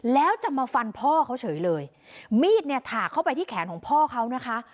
แล้วจะมาฟันพ่อเขาเฉยเลยมีดเนี่ยถากเข้าไปที่แขนของพ่อเขานะคะ